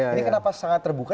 ini kenapa sangat terbuka